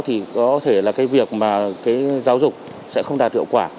thì có thể là việc giáo dục sẽ không đạt hiệu quả